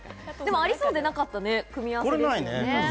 ありそうでなかった組み合わせですよね。